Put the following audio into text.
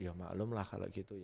ya maklum lah kalau gitu